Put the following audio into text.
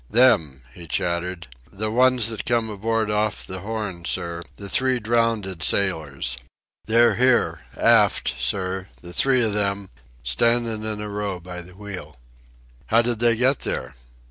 "Them," he chattered. "The ones that come aboard off the Horn, sir, the three drownded sailors. They're there, aft, sir, the three of 'em, standin' in a row by the wheel." "How did they get there?"